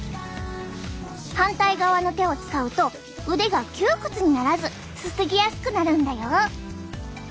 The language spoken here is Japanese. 反対側の手を使うと腕が窮屈にならずすすぎやすくなるんだよ。